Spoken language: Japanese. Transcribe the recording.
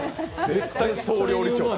絶対、総料理長だ。